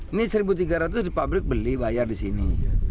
ini rp satu tiga ratus di pabrik beli bayar di sini